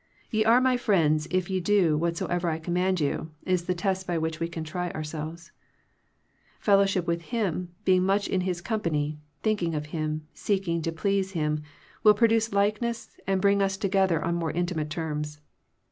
" Ye are My friends if ye do whatsoever I command you," is the test by which we can try ourselves. Fellowship with Him, being much in His company, thinking of Him, seeking to please Him, will produce likeness, and bring us together on more intimate terms.